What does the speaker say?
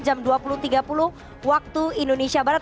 jam dua puluh tiga puluh waktu indonesia barat